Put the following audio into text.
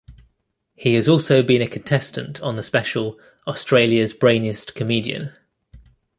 He has also been a contestant on the special "Australia's Brainiest Comedian".